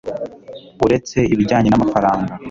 uretse ibijyanye n'amafaranga